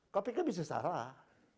kpk bisa salah